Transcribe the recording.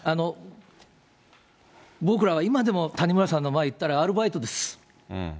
僕らは今でも谷村さんの、言ったら、アルバイトです。